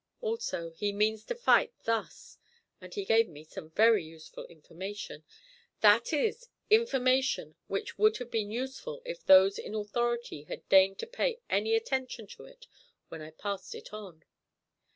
Also he means to fight thus," and he gave me some very useful information; that is, information which would have been useful if those in authority had deigned to pay any attention to it when I passed it on.